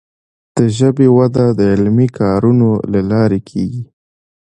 د ژبي وده د علمي کارونو له لارې کیږي.